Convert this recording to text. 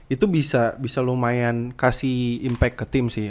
itu bisa lumayan kasih impact ke tim sih